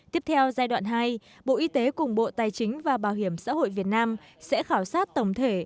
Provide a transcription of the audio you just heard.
tiếp theo giai đoạn hai bộ y tế cùng bộ tài chính và bảo hiểm xã hội việt nam sẽ khảo sát tổng thể